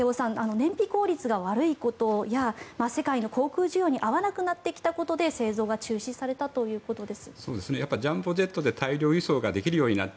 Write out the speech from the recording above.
燃費効率が悪いことや世界の航空需要に合わなくなってきたことで製造が中止されたということです。